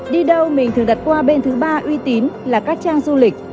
đi đâu mình thường đặt qua bên thứ ba uy tín là các trang du lịch